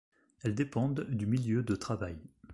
Elles dépendent du milieu de travail.